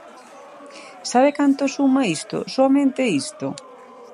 ¿Sabe canto suma isto, soamente isto?